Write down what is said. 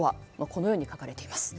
このように書かれています。